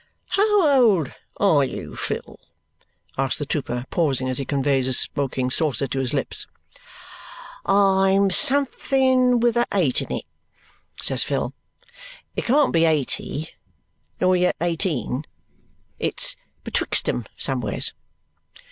"How old ARE you, Phil?" asks the trooper, pausing as he conveys his smoking saucer to his lips. "I'm something with a eight in it," says Phil. "It can't be eighty. Nor yet eighteen. It's betwixt 'em, somewheres."